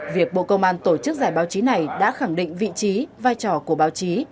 việc bộ công an tổ chức giải báo chí này đã khẳng định vị trí vai trò của báo chí